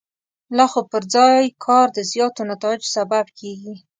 لږ خو پر ځای کار د زیاتو نتایجو سبب کېږي.